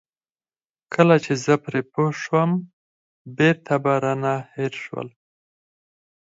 کله چې زه پرې پوه شوم بېرته به رانه هېر شول.